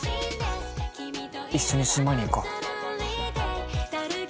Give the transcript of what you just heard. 一緒に島に行こう。